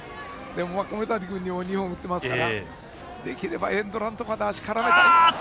米谷君も２本打ってますからできればエンドランとかで足を絡めたい。